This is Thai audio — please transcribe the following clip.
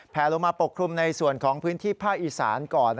ลงมาปกคลุมในส่วนของพื้นที่ภาคอีสานก่อน